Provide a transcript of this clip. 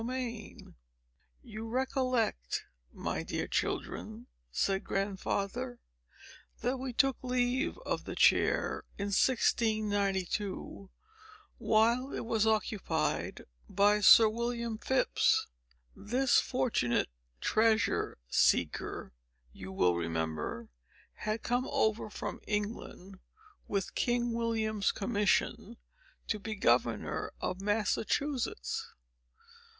Chapter II "You recollect, my dear children," said Grandfather, "that we took leave of the chair in 1692, while it was occupied by Sir William Phips. This fortunate treasure seeker, you will remember, had come over from England, with King William's commission to be Governor of Massachusetts.